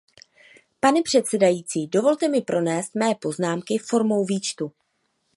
Pane předsedající, dovolte mi pronést mé poznámky formou výčtu.